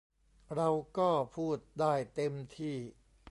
เราก็พูดได้เต็มที่